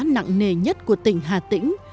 nặng nề nhất của tỉnh hà tĩnh